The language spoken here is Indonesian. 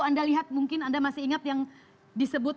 anda lihat mungkin anda masih ingat yang disebut